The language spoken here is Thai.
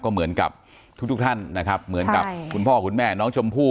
เหมือนกับทุกท่านนะครับเหมือนกับคุณพ่อคุณแม่น้องชมพู่